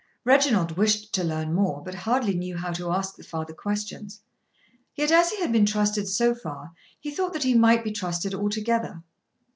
Reginald wished to learn more but hardly knew how to ask the father questions. Yet, as he had been trusted so far, he thought that he might be trusted altogether.